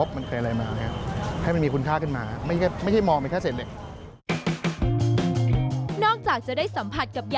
บนพื้นที่กว่า๔๐ขึ้นนะครับ